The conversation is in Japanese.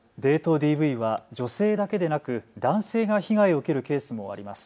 ＤＶは女性だけでなく男性が被害を受けるケースもあります。